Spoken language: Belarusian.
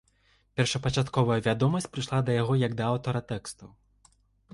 Першапачатковая вядомасць прыйшла да яго як да аўтара тэкстаў.